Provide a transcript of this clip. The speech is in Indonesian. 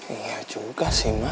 iya juga sih ma